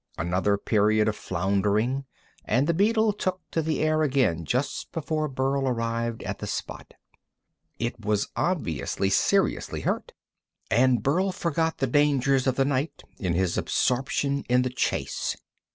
Another period of floundering, and the beetle took to the air again just before Burl arrived at the spot. It was obviously seriously hurt, and Burl forgot the dangers of the night in his absorption in the chase.